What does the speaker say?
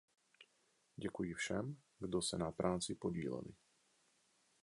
Děkuji všem, kdo se na práci podíleli.